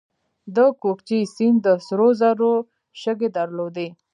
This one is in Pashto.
د کوکچې سیند د سرو زرو شګې درلودې